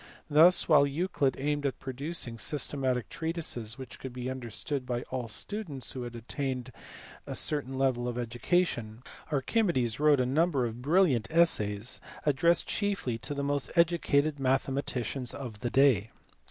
Thus, while Euclid aimed at producing systematic treatises which could be understood by all students who had attained a certain level of education, Archimedes wrote a number of brilliant essays addressed chiefly to the most educated mathematicians of the day.